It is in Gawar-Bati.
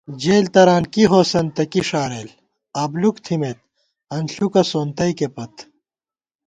جېلےتران کی ہوسند تہ کی ݭارېل ، ابلُوک تھِمېت انݪُکہ سونتَئیکے پت